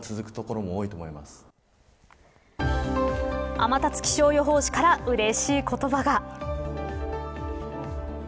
天達気象予報士からうれしい言葉が。